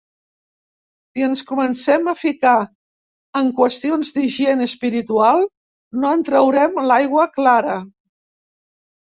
Si ens comencem a ficar en qüestions d'higiene espiritual no en traurem l'aigua clara.